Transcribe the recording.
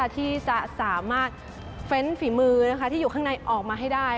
ที่จะสามารถเฟ้นฝีมือที่อยู่ข้างในออกมาให้ได้